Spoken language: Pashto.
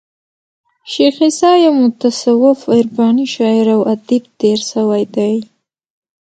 شېخ عیسي یو متصوف عرفاني شاعر او ادیب تیر سوى دئ.